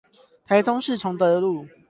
台中市崇德路